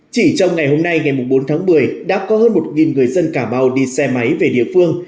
chỉ trong ngày hôm nay ngày bốn tháng một mươi đã có hơn một người dân cà mau đi xe máy về địa phương